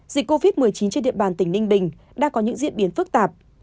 dịch covid một mươi chín trên địa bàn tỉnh ninh bình đã có những diễn biến phức tạp